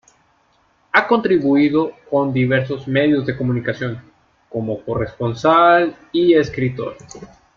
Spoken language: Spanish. Ha contribuido con diversos medios de comunicación como corresponsal y escritor.